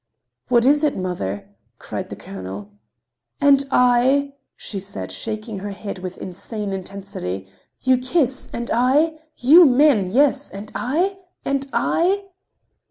"What is it, mother?" cried the colonel. "And I?" she said, shaking her head with insane intensity. "You kiss—and I? You men! Yes? And I? And I?"